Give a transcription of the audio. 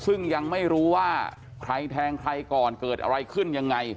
ซึ่งยังไม่รู้ว่าใครแทงใครก่อนเกิดอะไรขึ้นยังไง